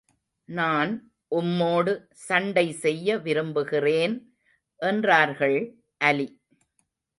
நான் உம்மோடு சண்டை செய்ய விரும்புகிறேன் என்றார்கள் அலி.